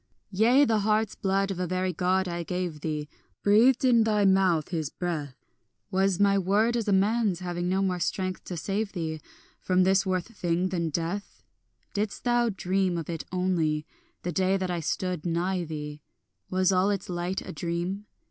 Yea, the heart's blood of a very God I gave thee, Breathed in thy mouth his breath; Was my word as a man's, having no more strength to save thee From this worse thing than death? Didst thou dream of it only, the day that I stood nigh thee, Was all its light a dream?